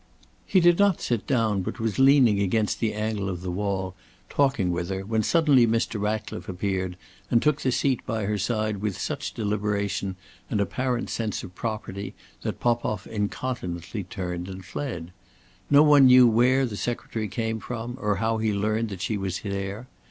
He did not sit down, but was leaning against the angle of the wall, talking with her, when suddenly Mr. Ratcliffe appeared and took the seat by her side with such deliberation and apparent sense of property that Popoff incontinently turned and fled. No one knew where the Secretary came from, or how he learned that she was there.